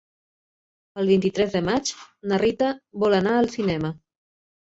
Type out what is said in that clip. El vint-i-tres de maig na Rita vol anar al cinema.